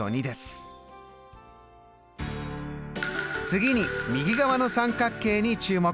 次に右側の三角形に注目！